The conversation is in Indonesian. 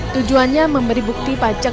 tujuannya memberi bukti pajak